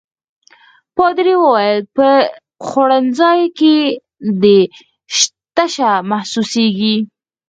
پادري وویل: په خوړنځای کې دي تشه محسوسيږي.